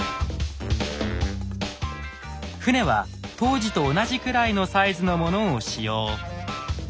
船は当時と同じくらいのサイズのものを使用。